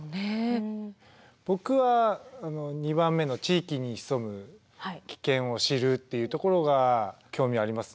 僕は２番目の「地域に潜む危険を知る」っていうところが興味ありますね。